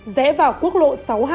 rẽ vào quốc lộ sáu mươi hai